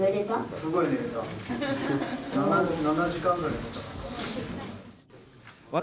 ７時間ぐらい寝た。